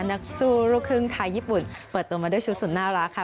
นักสู้ลูกครึ่งไทยญี่ปุ่นเปิดตัวมาด้วยชุดสุดน่ารักค่ะ